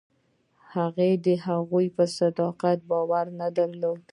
هغه د هغوی په صداقت باور نه درلود.